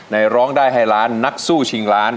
ร้องได้ให้ล้านนักสู้ชิงล้าน